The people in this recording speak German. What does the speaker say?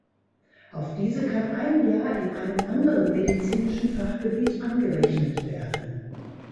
Auf diese kann ein Jahr in einem anderen medizinischen Fachgebiet angerechnet werden.